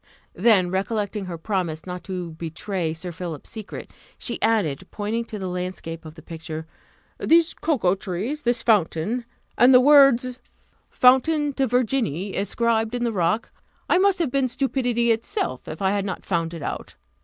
Then recollecting her promise, not to betray Sir Philip's secret, she added, pointing to the landscape of the picture, "These cocoa trees, this fountain, and the words Fontaine de Virginie, inscribed on the rock I must have been stupidity itself, if I had not found it out.